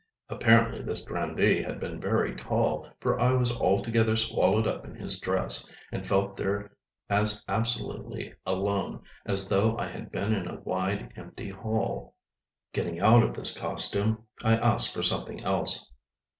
Apparently this grandee had been very tall, for I was altogether swallowed up in his dress, and felt there as absolutely alone as though I had been in a wide, empty hall. Getting out of this costume, I asked for something else.